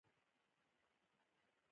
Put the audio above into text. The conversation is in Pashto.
سیالي شرکتونه پیاوړي کوي.